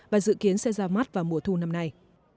và dự kiến sẽ ra mắt vào mùa thu năm nay